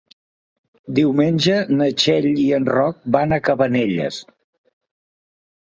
Diumenge na Txell i en Roc van a Cabanelles.